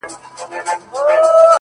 يارانو مخ ورځني پټ کړئ گناه کاره به سئ _